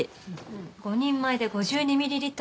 ５人前で５２ミリリットル。